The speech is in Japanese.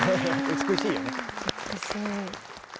美しい。